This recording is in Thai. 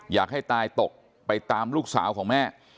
อยากให้ตายตกไปตามลูกสาวของแม่